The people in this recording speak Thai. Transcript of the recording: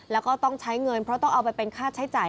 แล้วก็ต้องใช้เงินเพราะต้องเอาไปเป็นค่าใช้จ่าย